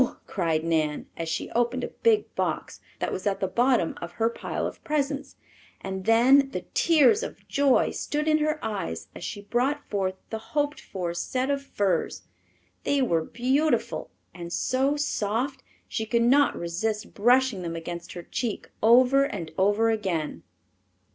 cried Nan, as she opened a big box that was at the bottom of her pile of presents, and then the tears of joy stood in her eyes as she brought forth the hoped for set of furs. They were beautiful, and so soft she could not resist brushing them against her cheek over and over again.